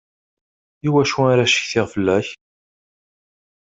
Iwacu ara ccetkiɣ fella-k?